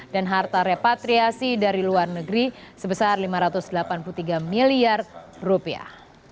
dan harta repatriasi dari luar negeri sebesar lima ratus delapan puluh tiga miliar rupiah